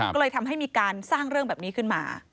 ก็เลยทำให้มีการสร้างเรื่องแบบนี้ขึ้นมา